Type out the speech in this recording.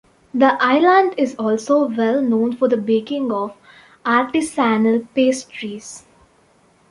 The island is also well known for the baking of artisanal pastries.